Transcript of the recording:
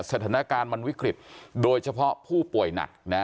สถานการณ์มันวิกฤตโดยเฉพาะผู้ป่วยหนักนะ